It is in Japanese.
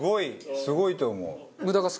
すごいと思う。